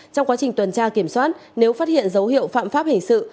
trong quá trình tuần tra kiểm soát nếu phát hiện dấu hiệu phạm pháp hình sự